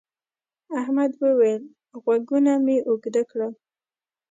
احمد وويل: غوږونه مې اوږده کړل.